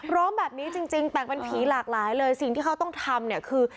ร้องแบบนี้จริงแต่งเป็นผีหลากหลายเลยสิ่งที่เขาต้องทำเนี่ยคือ